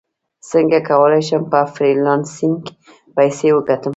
څنګه کولی شم په فریلانسینګ پیسې وګټم